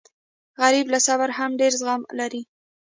غریب له صبره هم ډېر زغم لري